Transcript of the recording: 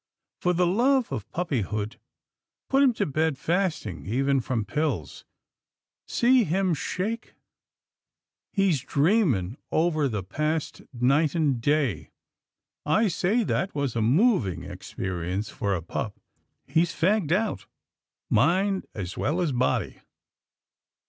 For the love of puppyhood, put him to bed fasting, even from pills — See him shake. He's dreaming over the past night and day. I say, that 206 'TILDA JANE'S ORPHANS was a moving experience for a pup. He's fagged out, mind as well as body."